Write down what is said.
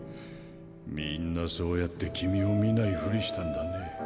みんなそうやって君を見ないフリしたんだね。